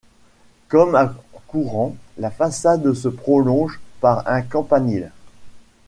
Comme à Courant, la façade se prolonge par un campanile.